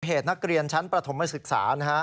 เหตุนักเรียนชั้นประถมศึกษานะฮะ